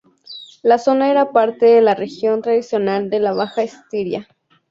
La zona era parte de la región tradicional de la Baja Estiria.